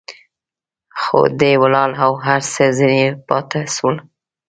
خو دى ولاړ او هر څه ځنې پاته سول.